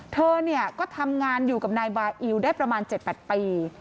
เธอเนี่ยก็ทำงานอยู่กับนายบาอิลได้ประมาณ๗๘ปี